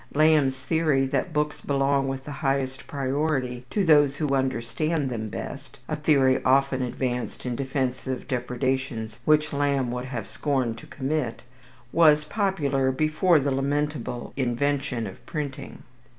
Lamb's theory that books belong with the highest propriety to those who understand them best (a theory often advanced in defence of depredations which Lamb would have scorned to commit), was popular before the lamentable invention of printing.